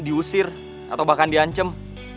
diusir atau bahkan diancem